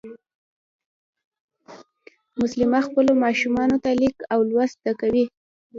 مسلیمه خپلو ماشومانو ته لیک او لوست زده کوي